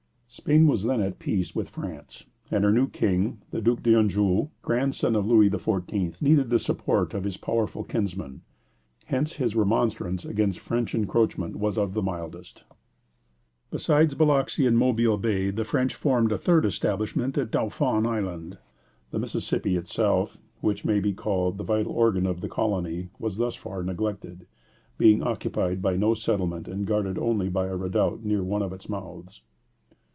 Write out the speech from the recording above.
Spain was then at peace with France, and her new King, the Duc d'Anjou, grandson of Louis XIV., needed the support of his powerful kinsman; hence his remonstrance against French encroachment was of the mildest. Besides Biloxi and Mobile Bay, the French formed a third establishment at Dauphin Island. The Mississippi itself, which may be called the vital organ of the colony, was thus far neglected, being occupied by no settlement and guarded only by a redoubt near one of its mouths.